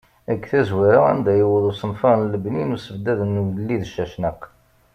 Deg tazwara, anda yewweḍ usenfar n lebni n usebddad n ugellid Cacnaq.